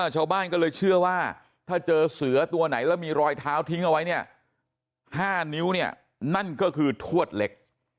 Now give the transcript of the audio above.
ชาวบ้านก็เลยเชื่อว่าถ้าเจอเสือตัวไหนแล้วมีรอยเท้าทิ้งเอาไว้เนี่ย๕นิ้วเนี่ยนั่นก็คือทวดเหล็ก